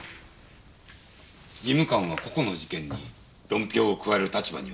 事務官は個々の事件に論評を加える立場にはない。